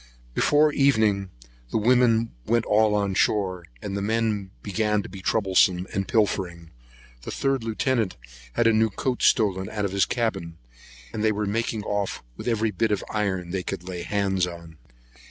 Before evening, the women went all on shore, and the men began to be troublesome and pilfering. The third lieutenant had a new coat stole out of his cabin; and they were making off with every bit of iron they could lay hands on.